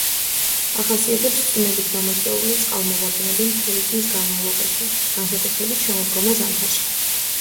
ახასიათებს წვიმებით გამოწვეული წყალმოვარდნები მთელი წლის განმავლობაში, განსაკუთრებით შემოდგომა-ზამთარში.